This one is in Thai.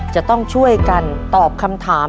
จะต้องช่วยกันตอบคำถาม